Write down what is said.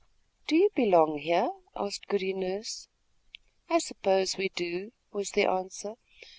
"Do you belong here?" asked Goody Nurse. "I suppose we do," was the answer.